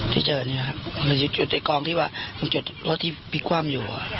ที่เจอเนี้ยครับมันจุดจุดไอ้กองที่ว่ามันจุดรถที่พิกว่ามอยู่อ่ะ